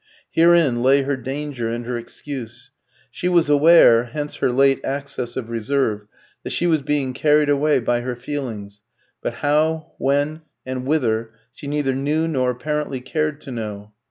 Herein lay her danger and her excuse. She was aware hence her late access of reserve that she was being carried away by her feelings; but how, when, and whither, she neither knew nor apparently cared to know.